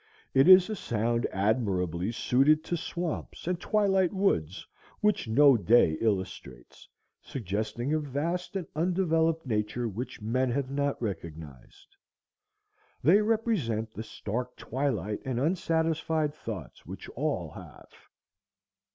It is a sound admirably suited to swamps and twilight woods which no day illustrates, suggesting a vast and undeveloped nature which men have not recognized. They represent the stark twilight and unsatisfied thoughts which all have.